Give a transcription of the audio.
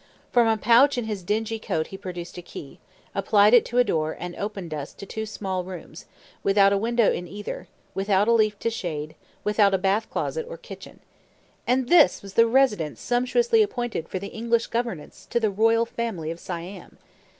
From a pouch in his dingy coat he produced a key, applied it to a door, and opened to us two small rooms, without a window in either, without a leaf to shade, without bath closet or kitchen. And this was the residence sumptuously appointed for the English governess to the royal family of Siam!